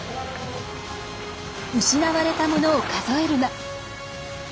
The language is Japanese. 失われたものを数えるな。